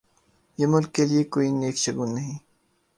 یہ ملک کے لئے کوئی نیک شگون نہیں۔